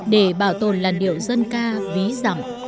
để bảo tồn làn điệu dân ca ví giảm